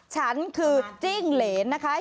ฉันคือจิ้งเหรนนะคะ